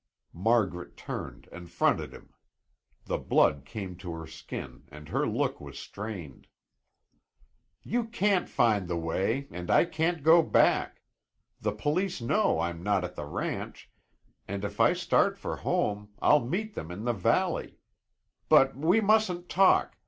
Margaret turned and fronted him. The blood came to her skin and her look was strained. "You can't find the way and I can't go back. The police know I'm not at the ranch, and if I start for home, I'll meet them in the valley. But we mustn't talk.